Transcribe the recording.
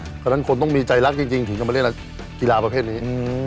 เพราะฉะนั้นคนต้องมีใจรักจริงถึงจะมาเล่นกีฬาประเภทนี้